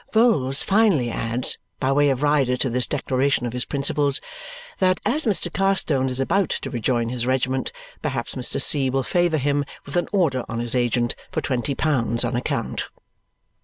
Vholes finally adds, by way of rider to this declaration of his principles, that as Mr. Carstone is about to rejoin his regiment, perhaps Mr. C. will favour him with an order on his agent for twenty pounds on account.